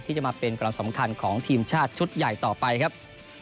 ที่จะมาเป็นกำลังสำคัญของทีมชาติชุดใหญ่ต่อไปครับ